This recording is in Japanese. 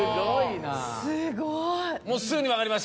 すごいな。